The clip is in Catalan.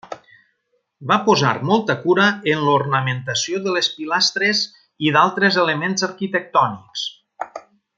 Va posar molta cura en l'ornamentació de les pilastres i d'altres elements arquitectònics.